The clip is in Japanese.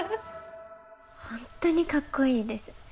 本当にかっこいいです。